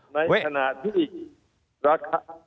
ในสถานที่อีก